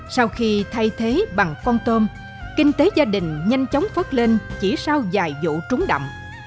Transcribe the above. sau khi thay thế bằng con tôm kinh tế gia đình nhanh chóng phớt lên chỉ sau vài vụ trúng đậm